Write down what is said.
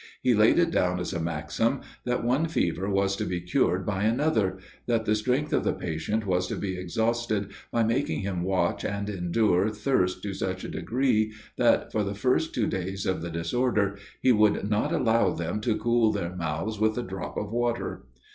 He laid it down as a maxim, that one fever was to be cured by another; that the strength of the patient was to be exhausted by making him watch and endure thirst to such a degree, that for the first two days of the disorder he would not allow them to cool their mouths with a drop of water.